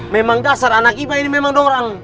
memang dasar anak iba ini memang doang orang